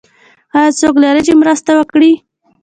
ایا څوک لرئ چې مرسته وکړي؟